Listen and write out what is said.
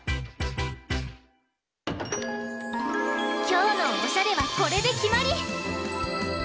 きょうのおしゃれはこれできまり！